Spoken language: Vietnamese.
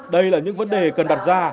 đây là những vấn đề cần đặt ra